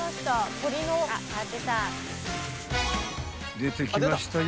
［出てきましたよ